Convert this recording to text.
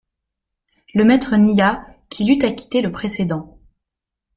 Le maître nia qu'il eût acquitté le précédent.